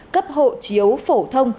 cấp hộ chiếu phổ thông